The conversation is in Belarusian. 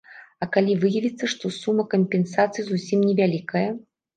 А калі выявіцца, што сума кампенсацыі зусім невялікая?